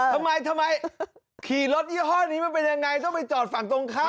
ทำไมทำไมขี่รถยี่ห้อนี้มันเป็นยังไงต้องไปจอดฝั่งตรงข้าม